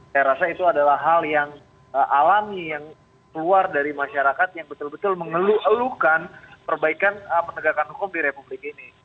saya rasa itu adalah hal yang alami yang keluar dari masyarakat yang betul betul mengeluhkan perbaikan penegakan hukum di republik ini